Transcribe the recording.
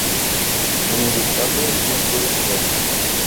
En inyectable no puede emplearse.